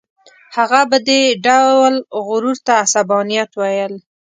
هغه به دې ډول غرور ته عصبانیت ویل.